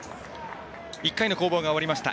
１回の攻防が終わりました。